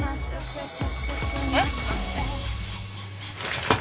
☎えっ？